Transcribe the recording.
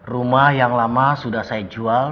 rumah yang lama sudah saya jual